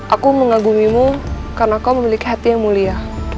aku mengagumimu karena kau memiliki hati yang mulia